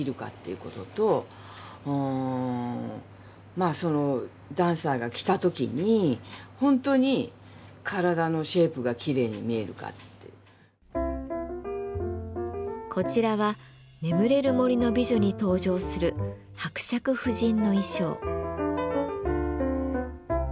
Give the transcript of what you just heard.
まずそのダンサーが着た時にこちらは「眠れる森の美女」に登場する伯爵夫人の衣装。